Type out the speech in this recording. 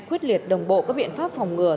quyết liệt đồng bộ các biện pháp phòng ngừa